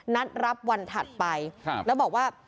นัดรับวันถัดไปแล้วบอกว่า